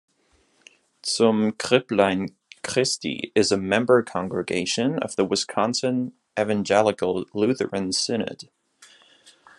Zum Kripplein Christi is a member-congregation of the Wisconsin Evangelical Lutheran Synod.